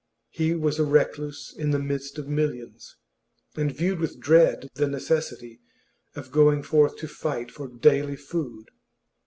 He was a recluse in the midst of millions, and viewed with dread the necessity of going forth to fight for daily food.